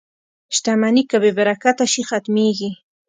• شتمني که بې برکته شي، ختمېږي.